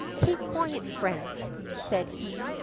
"Keep quiet, friends," said he.